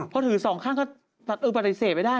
พอถือสองข้างก็ปฏิเสธไม่ได้